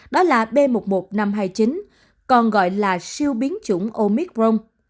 đó là b một một năm trăm hai mươi chín còn gọi là siêu biến chủng omicron